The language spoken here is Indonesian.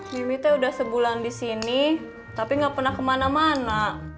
mimi tuh udah sebulan disini tapi gak pernah kemana mana